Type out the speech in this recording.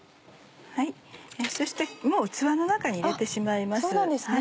そしてもう器の中に入れてしまいます。